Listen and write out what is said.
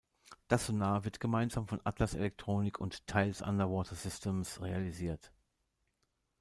Das Sonar wird gemeinsam von Atlas Elektronik und Thales Underwater Systems realisiert.